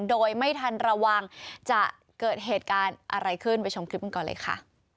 โดยไม่ทันระวังจะเกิดเหตุการณ์อะไรขึ้นไปชมคลิปกันก่อนเลยค่ะ